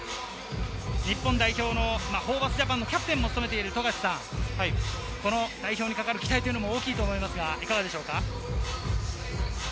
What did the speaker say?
日本代表のホーバスＪＡＰＡＮのキャプテンも務めている富樫さん、代表にかかる期待も大きいと思いますがいかがですか？